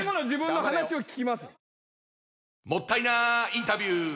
もったいなインタビュー！